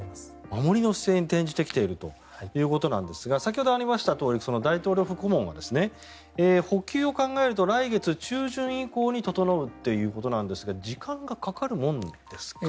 守りの姿勢に転じてきているということなんですが先ほどありましたとおり大統領府顧問は補給を考えると来月中旬以降に整うということなんですが時間がかかるものなんですか。